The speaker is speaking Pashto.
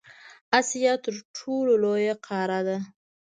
اسیا تر ټولو لویه قاره ده.